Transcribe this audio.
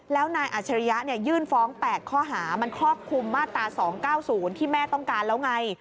แล้วนายอัชริยะยื่นฟ้อง๘ข้อหามันครอบคลุมมาตรา๒๙๐ที่แม่ต้องการแล้วไง